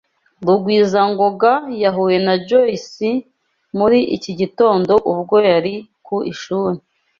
Rugwizangoga yahuye na Joyce muri iki gitondo ubwo yari ku ishuri.